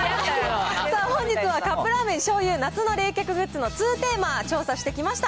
本日はカップラーメンしょうゆ、夏の冷却グッズの２テーマを調査してきました。